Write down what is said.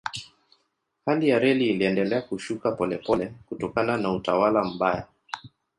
Hali ya reli iliendelea kushuka polepole kutokana na utawala mbaya.